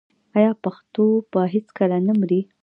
آیا پښتو به هیڅکله نه مري؟